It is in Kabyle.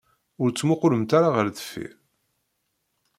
Ur ttmuqulemt ara ɣer deffir.